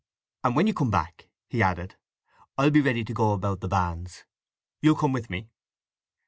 "And when you come back," he added, "I'll be ready to go about the banns. You'll come with me?"